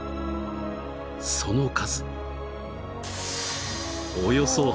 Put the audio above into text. ［その数］